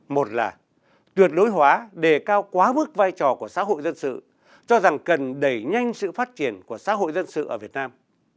một là tuyệt đối hóa đề cao quá mức vai trò của xã hội dân sự cho rằng cần đẩy nhanh sự phát triển của xã hội dân sự ở việt nam